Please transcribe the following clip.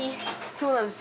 そうなんです。